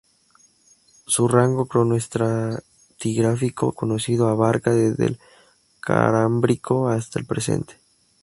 Su rango cronoestratigráfico conocido abarca desde el Cámbrico hasta el presente.